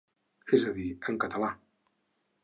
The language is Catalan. És a dir, en català.